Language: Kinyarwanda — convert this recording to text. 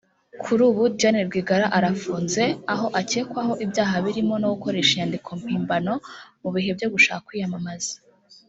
Kuri ubu Diane Rwigara arafunze aho akekwaho ibyaha birimo no gukoresha inyandiko mpimbano mu bihe byo gushaka kwiyamamaza